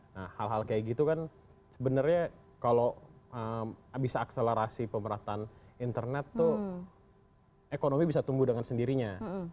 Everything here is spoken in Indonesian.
nah hal hal kayak gitu kan sebenarnya kalau bisa akselerasi pemerataan internet tuh ekonomi bisa tumbuh dengan sendirinya